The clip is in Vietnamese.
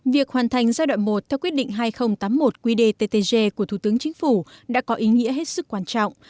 việc hoàn thành giai đoạn một theo quyết định hai nghìn tám mươi một qdttg của thủ tướng chính phủ đã có ý nghĩa hết sức quan trọng